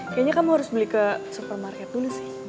kayaknya kamu harus beli ke supermarket dulu sih